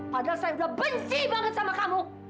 padahal saya sudah benci banget sama kamu